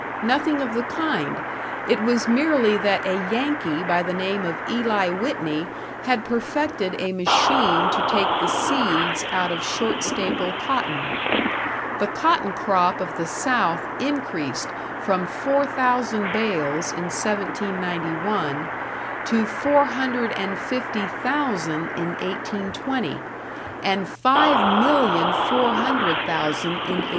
Nothing of the kind; it was merely that a Yankee by the name of Eli Whitney had perfected a machine to take the seeds out of short staple cotton. The cotton crop of the South increased from four thousand bales in 1791 to four hundred and fifty thousand in 1820 and five million, four hundred thousand in 1860.